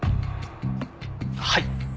はい。